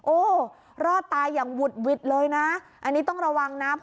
โอ้รอดตายอย่างหุดหวิดเลยนะอันนี้ต้องระวังนะ